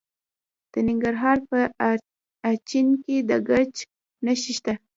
د ننګرهار په اچین کې د ګچ نښې شته.